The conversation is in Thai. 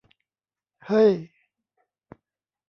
เฮ้ย !